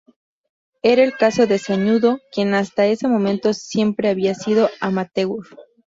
Era el caso de Sañudo, quien hasta ese momento, siempre había sido "amateur".